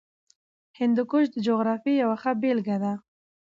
هندوکش د جغرافیې یوه ښه بېلګه ده.